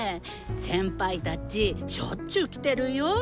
先輩たちしょっちゅう来てるよ。